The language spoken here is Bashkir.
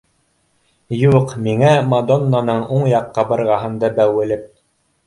Юҡ, миңә мадоннаның уң яҡ ҡабырғаһында бәүелеп